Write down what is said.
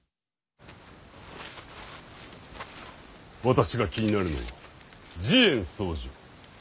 私が気になるのは慈円僧正。